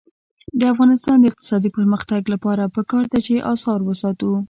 د افغانستان د اقتصادي پرمختګ لپاره پکار ده چې اثار وساتو.